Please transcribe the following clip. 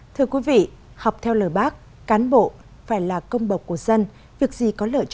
thưa quý vị